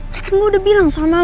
mereka gue udah bilang sama lo